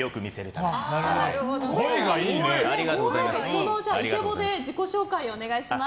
そのイケボで自己紹介をお願いします。